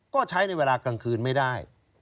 ก็ใช้ในเวลากลางคืนไม่ได้